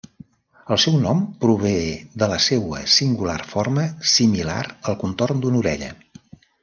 El seu nom prové de la seua singular forma, similar al contorn d'una orella.